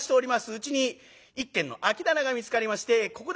うちに一軒の空き店が見つかりましてここで商売。